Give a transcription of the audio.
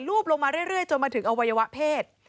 รูปลงมาเรื่อยจนมาถึงอวัยวะเพศ